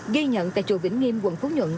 ghi nhận tại chùa vĩnh nghiêm quận phú nhận